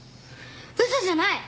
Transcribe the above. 嘘じゃない！